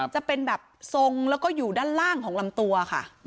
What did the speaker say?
จะเป็นแบบทรงแล้วก็อยู่ด้านล่างของลำตัวค่ะ